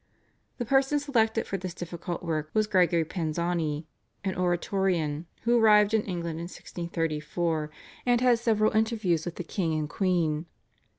The person selected for this difficult work was Gregory Panzani, an Oratorian, who arrived in England in 1634 and had several interviews with the king and queen.